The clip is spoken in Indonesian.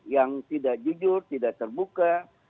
yang tidak jujur tidak terbuka